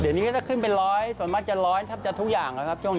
เดี๋ยวนี้ก็จะขึ้นไปร้อยส่วนมากจะร้อยทุกอย่างนะครับ